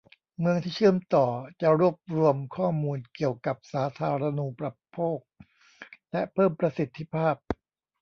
เมืองที่เชื่อมต่อจะรวบรวมข้อมูลเกี่ยวกับสาธารณูปโภคและเพิ่มประสิทธิภาพ